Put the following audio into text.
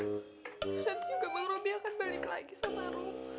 nanti juga bang robi akan balik lagi sama rum